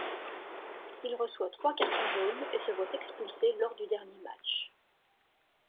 Il reçoit trois cartons jaunes et se voit expulsé lors du dernier match.